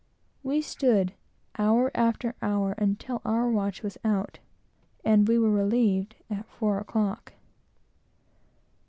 We stood hour after hour, until our watch was out, and we were relieved, at four o'clock.